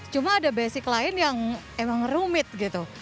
cuma ada basic lain yang emang rumit gitu